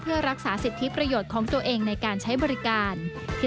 เพื่อรักษาสิทธิประโยชน์ของตัวเองในการใช้บริการ